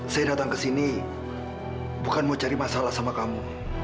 saya datang ke sini bukan mau cari masalah sama kamu